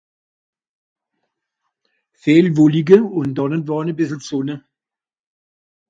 Viel Wollige ùn dànn ùnd wànn e bissel Sùnne